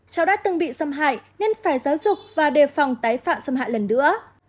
cháu đã từng bị xâm hại nên phải giáo dục và đề phòng tái phạm xâm hại lần nữa